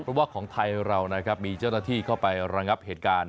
เพราะว่าของไทยเรานะครับมีเจ้าหน้าที่เข้าไประงับเหตุการณ์